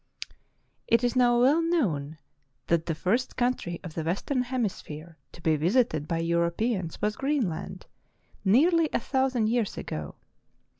IT is now well known that the first country of the western hemisphere to be visited by Europeans was Greenland — nearly a thousand years ago.